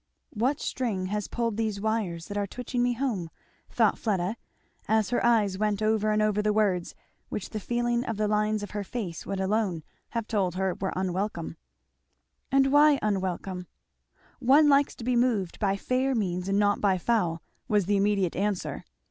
"What string has pulled these wires that are twitching me home?" thought Fleda, as her eyes went over and over the words which the feeling of the lines of her face would alone have told her were unwelcome. And why unwelcome? "One likes to be moved by fair means and not by foul," was the immediate answer.